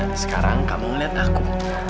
dan sekarang kamu lihat aku